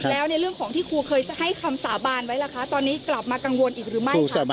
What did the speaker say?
แล้วในเรื่องของที่ครูเคยให้คำสาบานไว้ล่ะคะตอนนี้กลับมากังวลอีกหรือไม่คะ